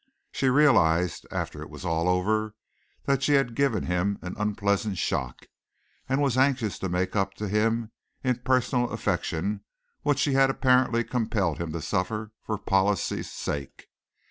She realized, after it was all over, that she had given him an unpleasant shock, and was anxious to make up to him in personal affection what she had apparently compelled him to suffer for policy's sake.